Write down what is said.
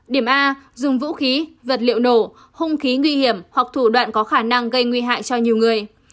điểm a dùng vũ khí vật liệu nổ hung khí nguy hiểm hoặc thủ đoạn có khả năng gây nguy hại cho nhiều người